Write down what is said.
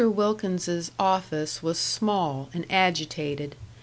Wilkins's office was small and agitated.